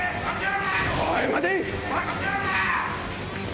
おい待て！